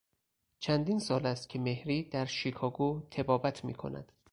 چندین سال است که مهری در شیکاگو طبابت میکند.